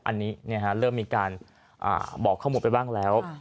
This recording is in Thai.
อันนี้เริ่มมีการบอกข้อมูลไปบ้างแล้ว